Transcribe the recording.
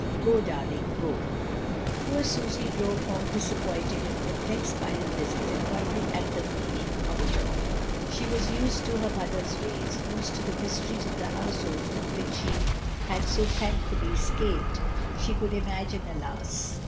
"Go, darling, go." Poor Susy drove home disappointed and per plexed by her visit, and wondering at the meaning of it all. She was used to her mother's ways, used to the mysteries of that household from which she SUSANNA AND HER MOTHER. 1 23 had SO thankfully escaped, she could imagine,, alas!